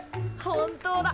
本当だ。